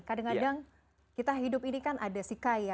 kadang kadang kita hidup ini kan ada si kaya